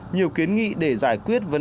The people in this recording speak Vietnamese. nhiều kiến nghị để giải quyết giao thông